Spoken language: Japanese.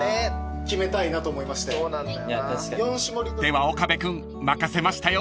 ［では岡部君任せましたよ］